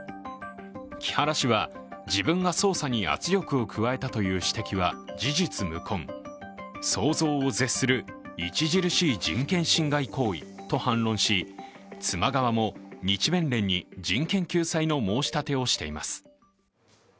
木原氏は自分が捜査に圧力を加えたという指摘は事実無根、想像を絶する著しい人権侵害行為と反論し妻側も日弁連に人権救済の申し立てをしています。